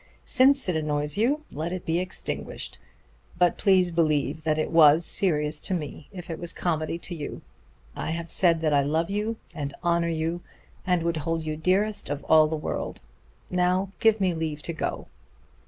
Since it annoys you, let it be extinguished. But please believe that it was serious to me if it was comedy to you. I have said that I love you and honor you and would hold you dearest of all the world. Now give me leave to go."